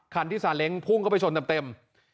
คันที่ซาเล้งพุ่งเข้าไปชนเต็ม